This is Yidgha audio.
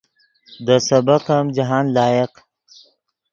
دے سبق جاہند لائق